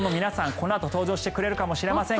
このあと登場してくれるかもしれません。